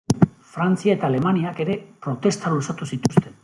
Frantzia eta Alemaniak ere protesta luzatu zituzten.